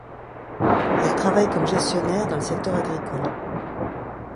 Elle travaille comme gestionnaire dans le secteur agricole.